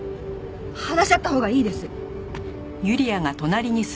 話し合ったほうがいいです。